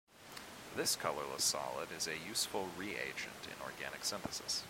This colourless solid is a useful reagent in organic synthesis.